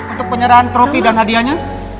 untuk penyerahan tropi dan hadiahnya